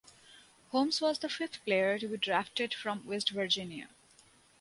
Holmes was the fifth player to be drafted from West Virginia.